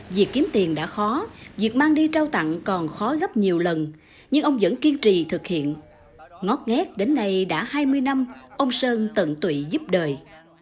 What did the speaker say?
việc kiếm tiền đã khó việc mang đi trao tặng còn khó gấp nhiều lần nhưng ông vẫn kiên trì thực hiện ngót nghét đến nay đã hai mươi năm ông sơn tận tụy giúp đời